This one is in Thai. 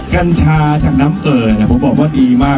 กันชาไฟผันบุหรี่มาก